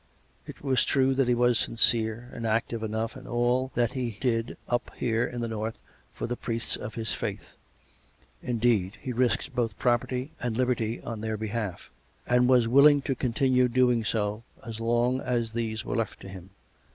It was true that he was sincere and active enough in all that he did up here in the north for the priests of his faith; indeed, he risked both property and liberty on their behalf, and was willing to continue doing so as long as these were left to him.